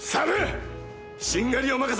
しんがりを任せる！